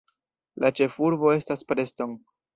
La ĉefurbo estas Preston.